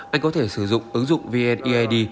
anh có thể sử dụng ứng dụng vneid